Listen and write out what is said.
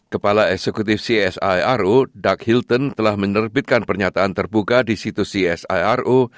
kepala eksekutif csiro dark hilton telah menerbitkan pernyataan terbuka di situs csiro